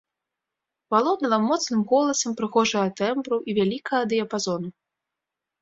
Валодала моцным голасам прыгожага тэмбру і вялікага дыяпазону.